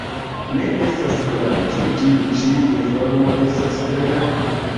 Ne estas klare, ĉu tiu ĉi informo estas vera.